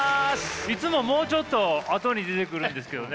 いつももうちょっとあとに出てくるんですけどね。